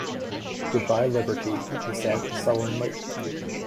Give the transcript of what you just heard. "Good-bye, liberty," he said sullenly.